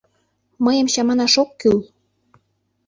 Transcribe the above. Мыйым чаманаш ок кӱл.